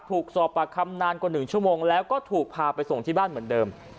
ถูกสอบปากคำนานกว่า๑ชั่วโมงแล้วก็ถูกพาไปส่งที่บ้านเหมือนเดิม